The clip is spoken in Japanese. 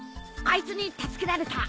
あいつに助けられた。